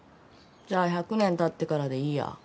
じゃあ１００年たってからでいいや。